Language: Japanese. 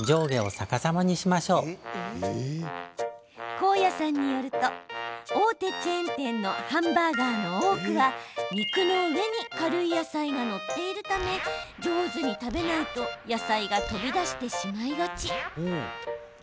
甲谷さんによると大手チェーン店のハンバーガーの多くは、肉の上に軽い野菜が載っているため上手に食べないと野菜が飛び出してしまいがち。